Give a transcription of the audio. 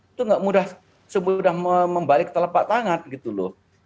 itu nggak mudah semudah membalik telapak tangan gitu loh